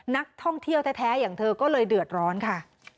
นักท่องเที่ยวแท้อย่างเธอก็เลยเดือดร้อนค่ะ